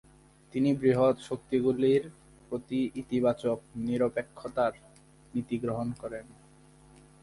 তিনি বৃহৎ শক্তিগুলির প্রতি "ইতিবাচক নিরপেক্ষতা"-র নীতি গ্রহণ করেন।